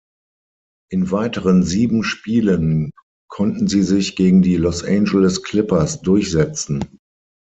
In weiteren sieben Spielen konnten sie sich gegen die Los Angeles Clippers durchsetzen.